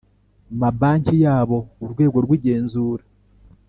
mabanki yabo Urwego rw igenzura